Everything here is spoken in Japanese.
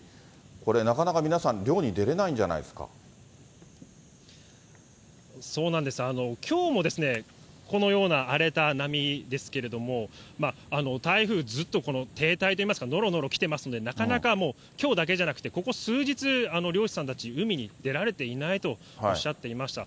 これ、なかなか皆さん、漁に出れそうなんです、きょうもこのような荒れた波ですけれども、台風ずっと停滞といいますか、のろのろ来てますので、きょうだけでなく、ここ数日、漁師さんたち、海に出られていないとおっしゃっていました。